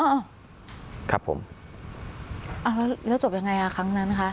อ้าวครับผมอ้าวแล้วแล้วจบยังไงอ่ะครั้งนั้นคะ